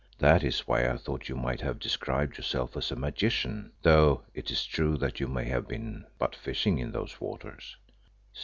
That is why I thought you might have described yourself as a magician, though it is true that you may have been but fishing in those waters."